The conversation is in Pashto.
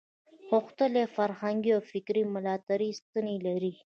غښتلې فرهنګي او فکري ملاتړې ستنې لري.